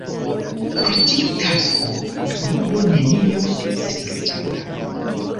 Pro tiu tasko la burgo neniam estis loĝata.